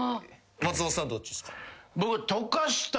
松本さんどっちっすか？